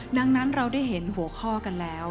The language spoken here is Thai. ดังนั้นเราได้เห็นหัวข้อกันแล้ว